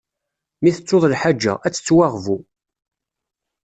Mi tettuḍ lḥaǧa, ad tettwaɣbu.